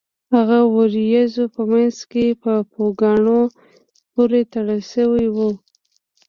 هغه د ورېځو په مینځ کې په پوکاڼو پورې تړل شوی و